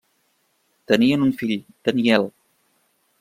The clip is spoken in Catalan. Tenien un fill, Daniel.